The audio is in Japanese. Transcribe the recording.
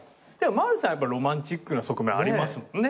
マルさんはやっぱロマンチックな側面ありますもんね？